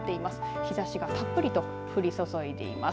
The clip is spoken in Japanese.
日ざしがたっぷりと降り注いでいます。